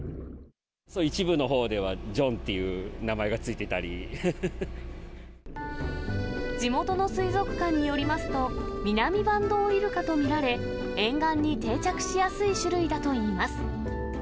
一部のほうでは、ジョンって地元の水族館によりますと、ミナミバンドウイルカと見られ、沿岸に定着しやすい種類だといいます。